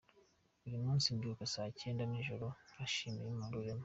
Buri munsi mbyuka saa cyenda z'ijoro nka shimira rurema